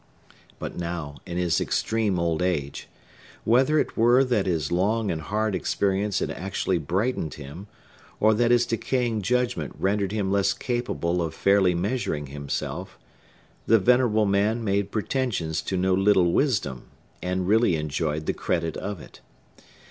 But now, in his extreme old age,—whether it were that his long and hard experience had actually brightened him, or that his decaying judgment rendered him less capable of fairly measuring himself,—the venerable man made pretensions to no little wisdom, and really enjoyed the credit of it.